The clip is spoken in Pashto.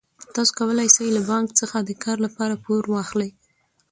تاسو کولای شئ له بانک څخه د کار لپاره پور واخلئ.